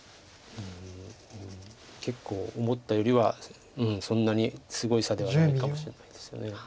結構思ったよりはそんなにすごい差ではないかもしれないですよね。